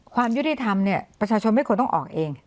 ความยุติธรรมเนี่ยประชาชนไม่ควรต้องออกเอง